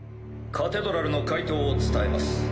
カテドラルの回答を伝えます。